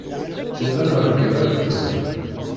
Nella nreggel abduz.